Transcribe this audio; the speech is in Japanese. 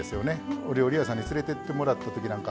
お料理屋さんに連れて行ってもらったときなんか